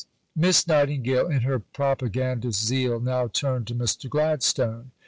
VI Miss Nightingale in her propagandist zeal now turned to Mr. Gladstone.